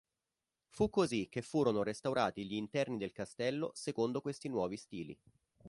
Fu così che furono restaurati gli interni del castello secondo questi nuovi stili.